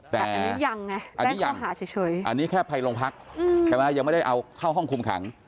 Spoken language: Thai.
แต่อันนี้ยังไงแจ้งข้อหาเฉยอันนี้แค่ภัยลงพรรคยังไม่ได้เอาเข้าห้องคุมขัง